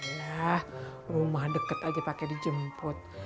yah rumah deket aja pake dijemput